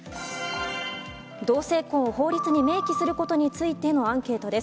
同性婚を法律に明記することについてのアンケートです。